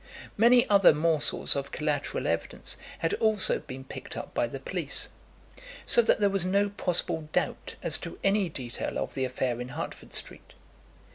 Many other morsels of collateral evidence had also been picked up by the police, so that there was no possible doubt as to any detail of the affair in Hertford Street.